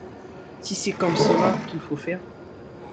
Si c’est comme cela qu’il faut faire